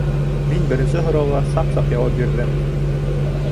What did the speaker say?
Мин беренсе һорауға саҡ-саҡ яуап бирҙем